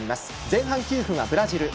前半９分はブラジル。